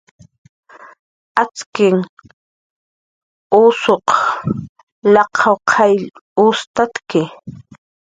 Atz'ik usuq laqaw qayll ustatayki